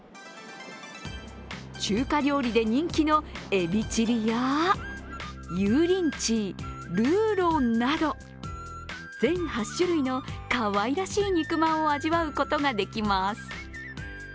中華料理で人気のエビチリやユーリンチー、ルーローなど、全８種類のかわいらしい肉まんを味わうことができます。